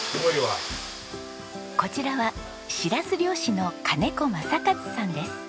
こちらはしらす漁師の金子正和さんです。